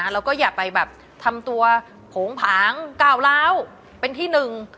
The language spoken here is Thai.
แล้วก็อย่าไปแบบทำตัวโผงผางก้าวร้าวเป็นที่หนึ่ง